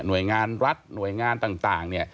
โดยงานรัฐหน่วยงานต่างเนี่ย